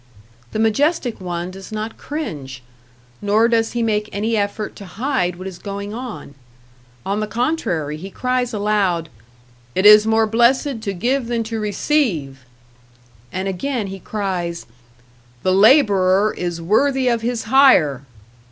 The majestic one does not cringe, nor does he make any effort to hide what is going on. On the contrary he cries aloud, "It is more blessed to give than to receive!" And again he cries, "The laborer is worthy of his hire!"